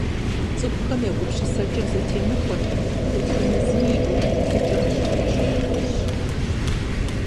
Цӏыхухэм я гупсысэкӏэр зэтемыхуэми, дэтхэнэ зыми и ӏуэху еплъыкӏэм пщӏэ хуэщӏын хуейщ.